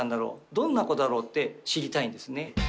どんな子だろう？って知りたいんですね。